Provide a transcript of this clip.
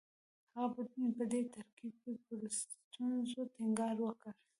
هغه په دې ترکیب کې پر ستونزو ټینګار وکړ